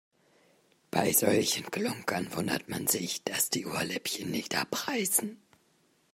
Bei solchen Klunkern wundert man sich, dass die Ohrläppchen nicht abreißen.